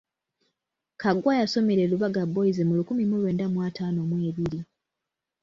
Kaggwa yasomera e Lubaga Boys mu lukumi mu lwenda mu ataano mu ebiri.